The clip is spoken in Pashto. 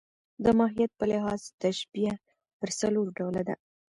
د ماهیت په لحاظ تشبیه پر څلور ډوله ده.